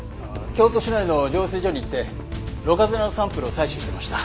京都市内の浄水場に行ってろ過砂のサンプルを採取してました。